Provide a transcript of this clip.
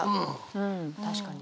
うん確かに。